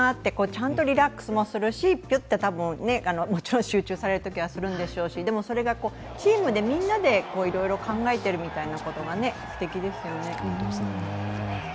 ちゃんとリラックスもするし、ぴゅっと集中するときはするんでしょうしでもそれが、チームみんなでいろいろ考えてるみたいなことがすてきですよね。